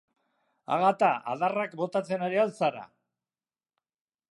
Agata, adarrak botatzen ari al zara?